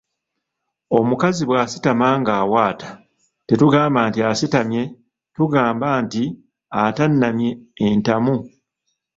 Omukazi bw’asitama ng’awaata tetugamba nti asitamye tugamba nti atannamye entamu.